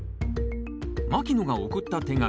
牧野が送った手紙。